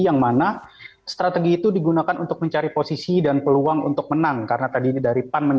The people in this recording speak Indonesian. yang mana strategi itu digunakan untuk mencari posisi dan peluang untuk menang karena tadinya dari pan